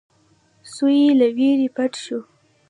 سوی له وېرې پټ شو.